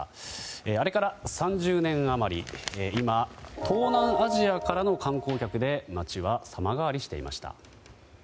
あれから３０年余り今、東南アジアからの観光客で町は様変わりしていました。